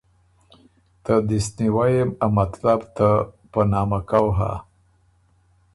ته دِست نیوئ يې ا مطلب ته په نامکؤ هۀ“